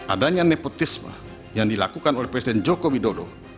adanya nepotisme yang dilakukan oleh presiden joko widodo